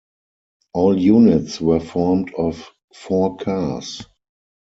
All units were formed of four cars.